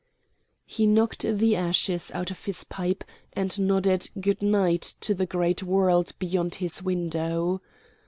He knocked the ashes out of his pipe, and nodded "good night" to the great world beyond his window.